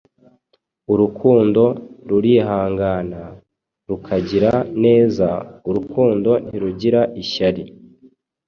Urukundo rurihangana, rukagira neza; urukundo ntirugira ishyari.